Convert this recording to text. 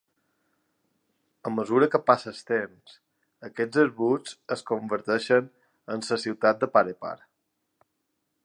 A mesura que passa el temps, aquests arbustos es converteixen en la ciutat de Parepar.